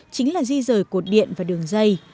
chính là di rời cột điện và đường dây